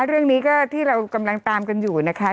เรื่องนี้ก็ที่เรากำลังตามกันอยู่นะคะ